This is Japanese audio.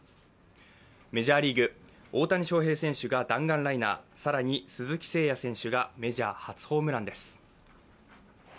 メジャーリーグ、大谷翔平選手が弾丸ライナー、更に、鈴木誠也選手がメジャー初ホームランです。